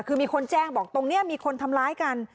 คือมีคนแจ้งบอกตรงนี้มีคนทำร้ายกัน